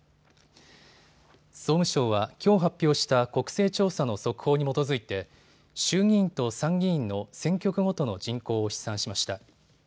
総務省は、きょう発表した国勢調査の速報に基づいて衆議院と参議院の選挙区ごとの人口を試算しました。